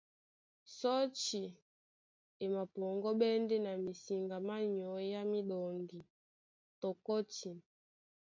Sɔ́ti e mapɔŋgɔ́ɓɛ́ ndé na misiŋga má nyɔ́ á míɗɔŋgi tɔ kɔ́tin.